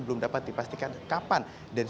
belum dapat dipastikan kapan dan